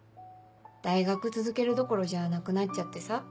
大学続けるどころじゃなくなっちゃってさ。